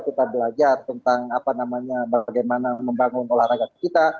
kita belajar tentang bagaimana membangun olahraga kita